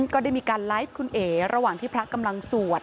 ก็ได้มีการไลฟ์คุณเอ๋ระหว่างที่พระกำลังสวด